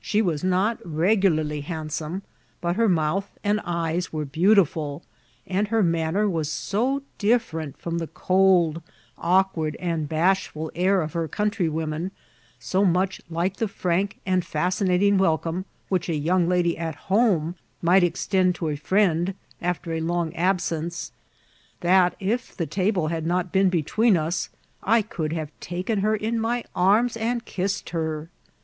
She was not regularly handsome, but her mouth and eyes were beautiful; and her manner was so different from the cold, awkward, and bashful air of her countrywomen, so much like the frank and fascinating welcome which a young lady at hcHne mig^t extend to a friend after a long absence, that if the table had not been between us I could have taken her in my arms and kissed her.